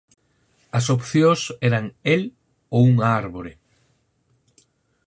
As opcións eran el ou unha árbore.